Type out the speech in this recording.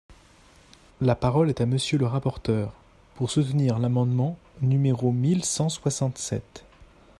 La parole est à Monsieur le rapporteur, pour soutenir l’amendement numéro mille cent soixante-sept.